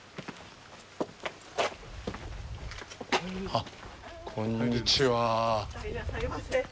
あっ、こんにちは。